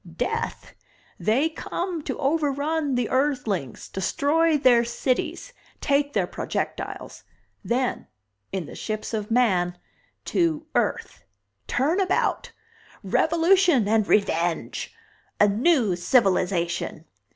"Death! They come to overrun the Earthlings, destroy their cities, take their projectiles. Then in the ships of man to Earth! Turnabout! Revolution and Revenge! A new civilization!